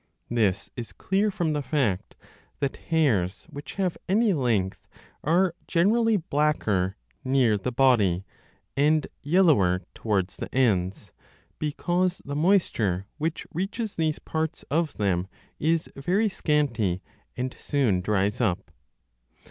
This is clear from the fact that hairs which have any length are generally blacker near the body and yellower towards the ends, 5 because the moisture which reaches these parts of them is very scanty and soon dries up.